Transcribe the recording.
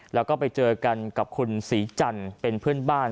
แล้วก็ไปเจอกันกับคุณศรีจันทร์เป็นเพื่อนบ้าน